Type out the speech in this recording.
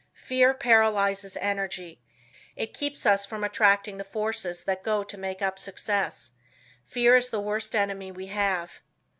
Fear paralyzes energy. It keeps us from attracting the forces that go to make up success. Fear is the worst enemy we have.